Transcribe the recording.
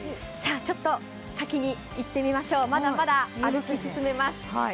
ちょっと先に行ってみましょう、まだまだ歩き進めます。